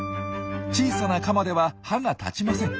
小さなカマでは歯が立ちません。